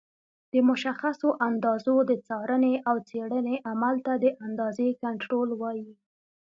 د مشخصو اندازو د څارنې او څېړنې عمل ته د اندازې کنټرول وایي.